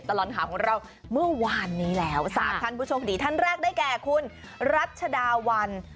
แต่ว่ายังไม่จบ